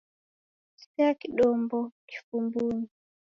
Sea kdombo kifumbunyi.